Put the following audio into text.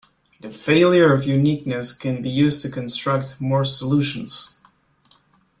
The failure of uniqueness can be used to construct more solutions.